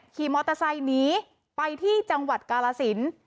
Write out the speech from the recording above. ขี่มอเตอร์ไซค์หนีไปที่จังหวัดกาลสิน